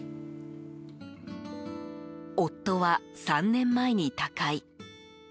夫は３年前に他界。